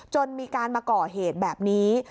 จนมีการมาก่อเหตุแบบนี้